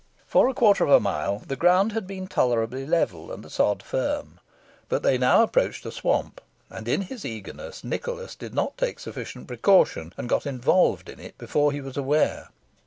For a quarter of a mile the ground had been tolerably level, and the sod firm; but they now approached a swamp, and, in his eagerness, Nicholas did not take sufficient precaution, and got involved in it before he was aware.